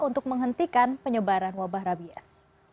untuk menghentikan penyebaran wabah rabies